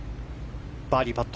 バーディーパット。